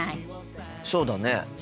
そうだね。